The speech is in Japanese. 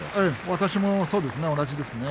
私もそうですね同じですね。